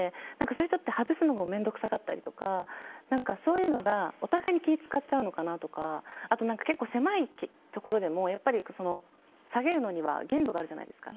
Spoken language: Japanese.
そういう人って外すのも面倒くさかったりとかそういうのがお互い気を使っちゃうのかなとかあと結構、狭いところでも下げるのには限度があるじゃないですか。